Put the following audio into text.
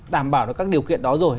đảm bảo được các điều kiện đó rồi